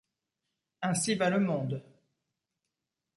Ainsi va le monde.